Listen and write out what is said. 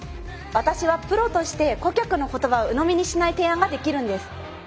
私は「プロとして顧客の言葉を鵜呑みにしない」提案ができるんです。